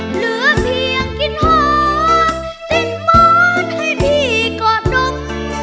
เหลือเพียงกินหอติดหมอนให้พี่กอดดม